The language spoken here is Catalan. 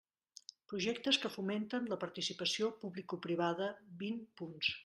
Projectes que fomenten la participació publicoprivada, vint punts.